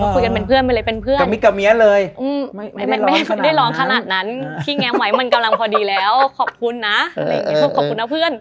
คุยกันเป็นเพื่อนไม่ได้เป็นเพื่อนไม่ได้ร้อนขนาดนั้นที่แง๊มไว้มันกำลังพอดีแล้วขอบคุณนะขอบคุณนะเพื่อน